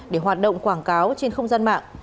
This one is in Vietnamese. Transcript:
để hoạt động quảng cáo trên không gian mạng